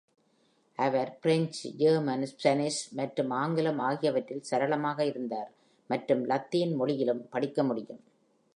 அவர் French, German, Spanish மற்றும் ஆங்கிலம் ஆகியவற்றில் சரளமாக இருந்தார் மற்றும் லத்தீன் மொழியிலும் படிக்க முடியும்.